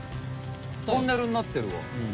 トンネルになってるわ。